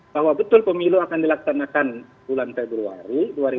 bahwa betul pemilu akan dilaksanakan bulan februari dua ribu dua puluh